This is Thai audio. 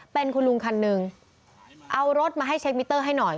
เป็นคุณลุงคันหนึ่งเอารถมาให้เช็คมิเตอร์ให้หน่อย